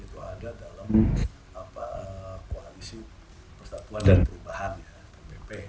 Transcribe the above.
itu ada dalam koalisi persatuan dan perubahan ppp